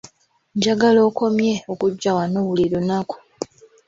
Njagala okomye okujja wano buli lunaku.